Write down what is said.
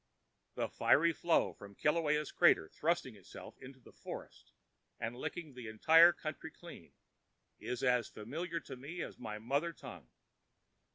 The fiery flow from Kilauea's crater, thrusting itself into the forests and licking the entire country clean, is as familiar to me as my mother tongue.